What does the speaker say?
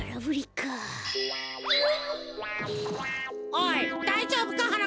おいだいじょうぶかはなかっぱ。